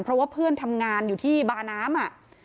เพราะว่าเพื่อนทำงานอยู่ที่บาน้ำ